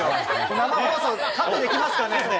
生放送、カットできますかね？